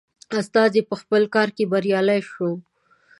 استازی په خپل کار کې بریالی شوی.